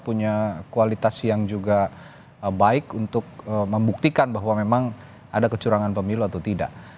punya kualitas yang juga baik untuk membuktikan bahwa memang ada kecurangan pemilu atau tidak